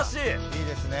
いいですね。